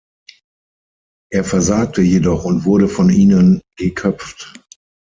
Er versagte jedoch und wurde von ihnen geköpft.